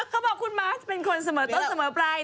เขาบอกคุณมาสเป็นคนเสมอต้นเสมอปลาย